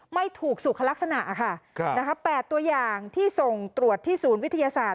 ไม่ถูกสุขลักษณะค่ะนะคะ๘ตัวอย่างที่ส่งตรวจที่ศูนย์วิทยาศาสตร์